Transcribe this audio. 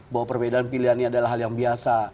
bahwa perbedaan pilihan ini adalah hal yang biasa